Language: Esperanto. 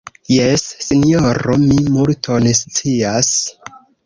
Jes, sinjoro, mi multon scias.